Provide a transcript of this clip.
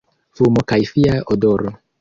Fumo kaj fia odoro.